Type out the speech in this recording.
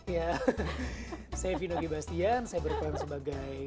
ya saya vinogi bastian saya berperan sebagai asya